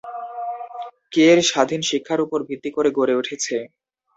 কের স্বাধীন শিক্ষার উপর ভিত্তি করে গড়ে উঠেছে।